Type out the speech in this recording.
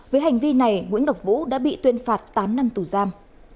với hành vi này nguyễn ngọc vũ đã bị tuyên phạt tám năm tù giam